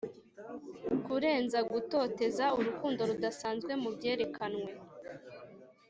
kurenza gutoteza urukundo rudasanzwe mubyerekanwe.